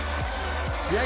試合